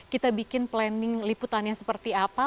kita bikin planning liputannya seperti apa